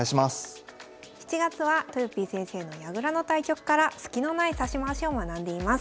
７月はとよぴー先生の矢倉の対局からスキのない指し回しを学んでいます。